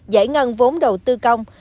giải ngân vốn đầu tư công